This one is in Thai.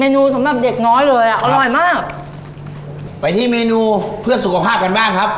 นูสำหรับเด็กน้อยเลยอ่ะอร่อยมากไปที่เมนูเพื่อสุขภาพกันบ้างครับ